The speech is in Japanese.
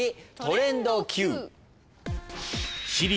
トレンドＱ。